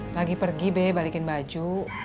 lagi pergi be balikin baju